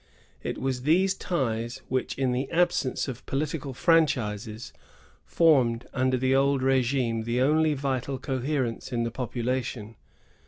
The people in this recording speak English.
It was these ties which, in the absence of political fran chises, formed under the old regime the only vital coherence in the population.